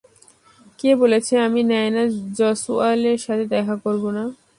কে বলেছে আমি নায়না জয়সওয়ালের সাথে দেখা করবো না?